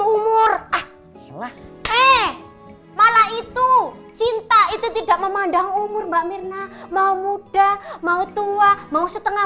umur ahy malah itu cinta itu tidak memandang umur mbak mirna mau muda mau tua mau setengah